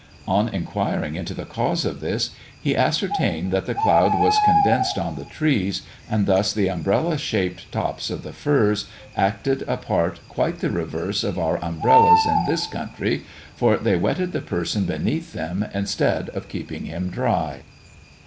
On inquiring into the cause of this, he ascertained that the cloud was condensed on the trees, and thus the umbrella shaped tops of the firs acted a part quite the reverse of our umbrellas in this country, for they wetted the person beneath them, instead of keeping him dry.